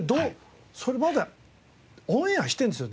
それまだオンエアしてるんですよ